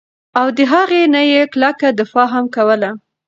او د هغې نه ئي کلکه دفاع هم کوله